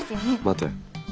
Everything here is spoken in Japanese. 待て。